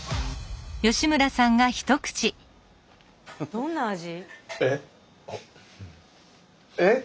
どんな味？